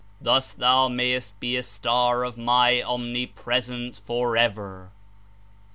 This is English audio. Thus thou mayest he a star of my Omnipresence forever.'' (A.